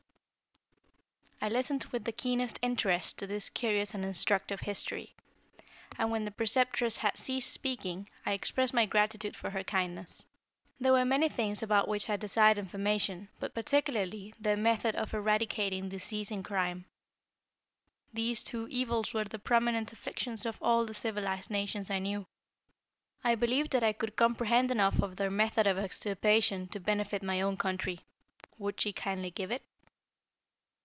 _ I listened with the keenest interest to this curious and instructive history; and when the Preceptress had ceased speaking. I expressed my gratitude for her kindness. There were many things about which I desired information, but particularly their method of eradicating disease and crime. These two evils were the prominent afflictions of all the civilized nations I knew. I believed that I could comprehend enough of their method of extirpation to benefit my own country. Would she kindly give it?